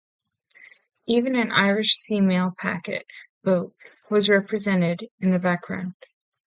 Even an Irish Sea mail Packet boat was represented in the background.